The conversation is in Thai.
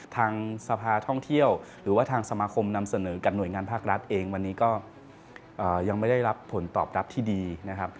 ทางสภาท่องเที่ยวหรือว่าทางสมาคมนำเสนอกับหน่วยงานภาครัฐเองวันนี้ก็ยังไม่ได้รับผลตอบรับที่ดีนะครับ